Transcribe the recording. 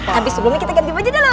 tapi sebelumnya kita ganti baju dulu